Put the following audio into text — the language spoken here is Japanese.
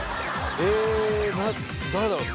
え誰だろう？